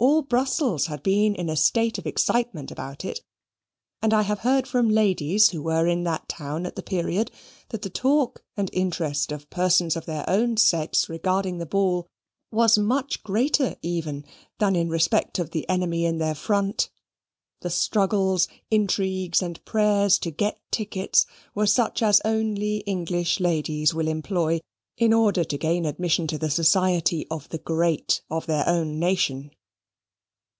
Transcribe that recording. All Brussels had been in a state of excitement about it, and I have heard from ladies who were in that town at the period, that the talk and interest of persons of their own sex regarding the ball was much greater even than in respect of the enemy in their front. The struggles, intrigues, and prayers to get tickets were such as only English ladies will employ, in order to gain admission to the society of the great of their own nation.